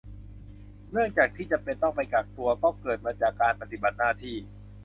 เนื่องจากที่จำเป็นต้องไปกักตัวก็เกิดมาจากการปฏิบัติหน้าที่